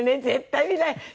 絶対見ない。